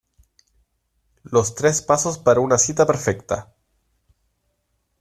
los tres pasos para una cita perfecta.